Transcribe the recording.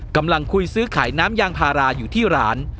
กำลังคุยซื้อขายน้ำยางพาราอยู่ที่ร้าน